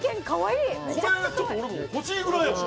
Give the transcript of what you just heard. かわいい！